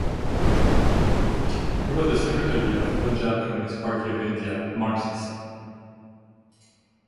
He was the secretary of Punjab Communist Party of India (Marxist).